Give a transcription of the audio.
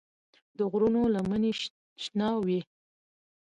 د غرونو لمنې شنه وې.